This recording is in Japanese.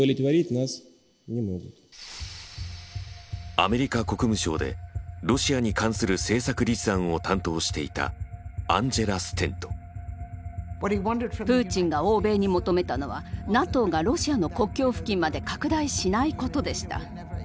アメリカ国務省でロシアに関する政策立案を担当していたプーチンが欧米に求めたのはＮＡＴＯがロシアの国境付近まで拡大しないことでした。